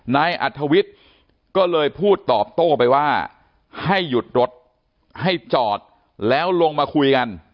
นายอัธวิทย์ก็เลยพูดตอบโต้ไปว่าให้หยุดรถให้จอดแล้วลงมาคุยกัน